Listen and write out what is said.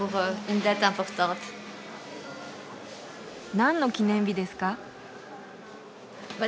なんの記念日ですか？